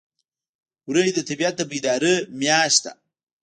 وری د طبیعت د بیدارۍ میاشت ده.